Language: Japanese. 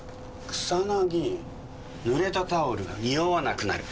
草ぬれたタオルが臭わなくなる。